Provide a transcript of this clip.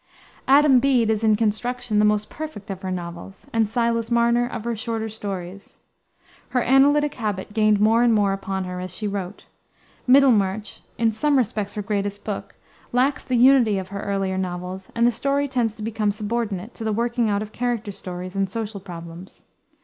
Adam Bede is, in construction, the most perfect of her novels, and Silas Marner of her shorter stories. Her analytic habit gained more and more upon her as she wrote. Middlemarch, in some respects her greatest book, lacks the unity of her earlier novels, and the story tends to become subordinate to the working out of character stories and social problems.